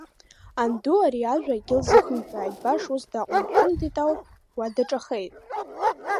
Анду ари ажәа акгьы лзахымҳәааит, баша ус дааҟәндшәындит ауп, уа даҿахеит.